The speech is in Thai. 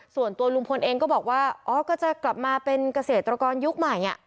ส่วนตัวลุงพลเองก็บอกว่าอ๋อก็จะกลับมาเป็นเกษตรกรยุคใหม่